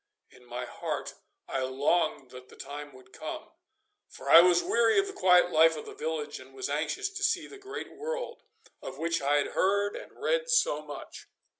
In my heart I longed that the time would come, for I was weary of the quiet life of the village, and was anxious to see the great world of which I had heard and read so much.